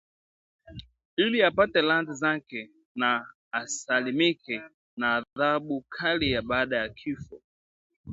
ili apate radhi zake na asalimike na adhabu kali ya baada ya kifo